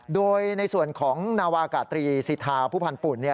โดยในส่วนของนาวาอากาศตรีศิษย์ธาธิวารีผู้พันธ์ปุ่น